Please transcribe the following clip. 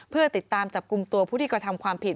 เพื่อติดตามจับกลุ่มตัวผู้ที่กระทำความผิด